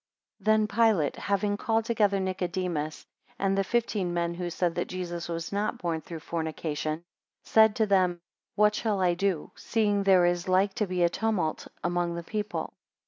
THEN Pilate having called together Nicodemus, and the fifteen men who said that Jesus was not born through fornication, said to them, What shall I do, seeing there is like to be a tumult among the people.